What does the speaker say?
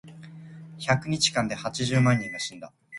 百日間で八十万人が死んだ。